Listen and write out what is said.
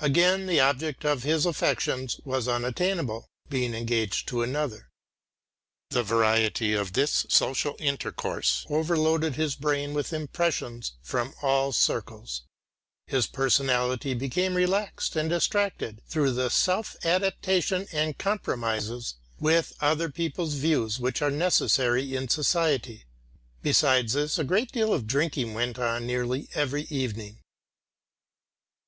Again the object of his affections was unattainable, being engaged to another. The variety of this social intercourse overloaded his brain with impressions from all circles; his personality became relaxed and distracted through the self adaptation and compromises with other people's views which are necessary in society. Besides this a great deal of drinking went on nearly every evening.